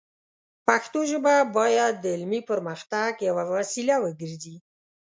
پښتو ژبه باید د علمي پرمختګ یوه وسیله وګرځي.